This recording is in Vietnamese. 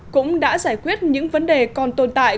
cũng đã giải quyết những vấn đề còn tồn tại